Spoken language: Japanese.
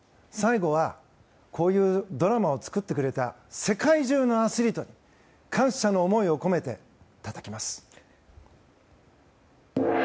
最後は、こういうドラマを作ってくれた世界中のアスリートに感謝の思いを込めてたたきます。